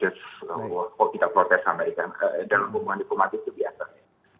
kalau kita protes sama dengan dalam hubungan diplomatik itu biasa